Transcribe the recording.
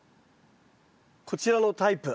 こちらのタイプ。